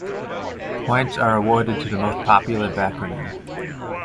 Points are awarded to the most popular backronym.